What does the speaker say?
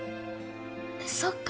そっか。